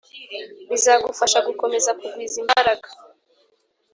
bizagufasha gukomeza kugwiza imbaraga